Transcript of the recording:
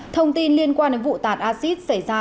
thông tin liên quan đến vụ tạt acid xảy ra